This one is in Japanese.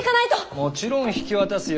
もちろん引き渡すよ。